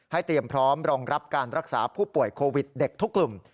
เตรียมพร้อมรองรับการรักษาผู้ป่วยโควิดเด็กทุกกลุ่ม